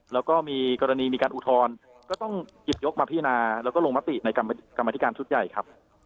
แล้วก็มีกรณีมีการอุทธรณ์ก็ต้องหยิบยกมาพินาแล้วก็ลงมติในกรรมธิการชุดใหญ่ครับ